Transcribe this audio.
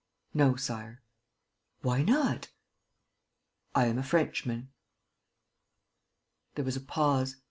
"No, Sire." "Why not?" "I am a Frenchman." There was a pause.